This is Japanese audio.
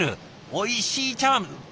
おいしい茶わん。